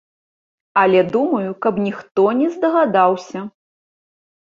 Але думаю, каб ніхто не здагадаўся!